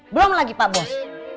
belom lagi pak bos